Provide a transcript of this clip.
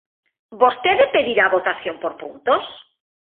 ¿Vostede pedira a votación por puntos?